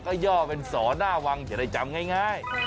ก็ย่อเป็นสนวังเดี๋ยวได้จำง่าย